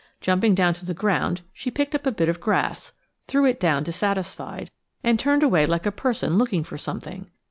Jumping down to the ground, she picked up a bit of grass, threw it down dissatisfied, and turned away like a person looking for something.